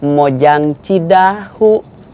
mau janji dahu